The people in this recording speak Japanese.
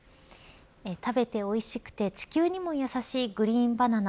食べておいしくて地球にも優しいグリーンバナナ